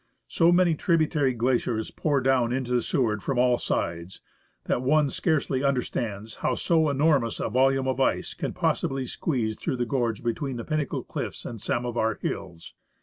So many tributary glaciers pour down into the Seward from all sides, that one scarcely understands how so enormous a volume of ice can possibly squeeze through the gorge between the Pinnacle Cliffs and Samovar Hills.